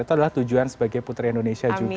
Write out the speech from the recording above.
itu adalah tujuan sebagai putri indonesia juga